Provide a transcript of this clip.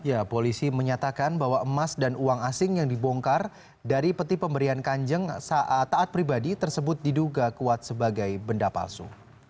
ya polisi menyatakan bahwa emas dan uang asing yang dibongkar dari peti pemberian kanjeng saat taat pribadi tersebut diduga kuat sebagai benda palsu